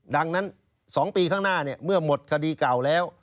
ดังนั้น๒ปีข้างหน้าเมื่อหมดคดีเก่าแล้ว